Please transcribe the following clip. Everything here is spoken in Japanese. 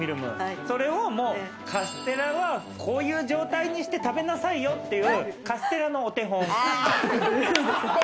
それをカステラはこういう状態にして食べなさいよっていう、違います。